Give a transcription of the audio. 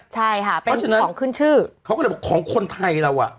ใช่ค่ะเป็นของขึ้นชื่อเขาก็เลยบอกของคนไทยเราอ่ะ